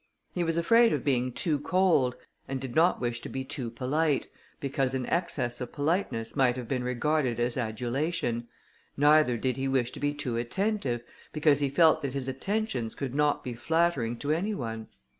He was afraid of being too cold, and did not wish to be too polite, because an excess of politeness might have been regarded as adulation; neither did he wish to be too attentive, because he felt that his attentions could not be flattering to any one.